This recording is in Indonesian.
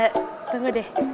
eh tunggu deh